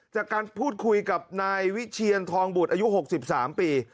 จากการพูดคุยกับนายวิเชียนทองบุตรอายุ๖๓ปี